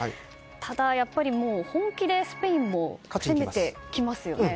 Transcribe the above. ただ、やっぱり本気でスペインも攻めてきますよね。